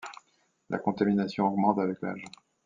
La contamination augmente avec l'âge.